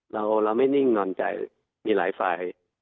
เราไม่นิ่งนอนใจมีหลายฝ่าย